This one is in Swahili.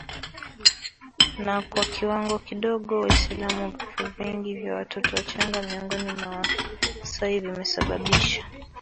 na kwa kiwango kidogo WaislamuVifo vingi vya watoto wachanga miongoni mwa Wamasai vimesababisha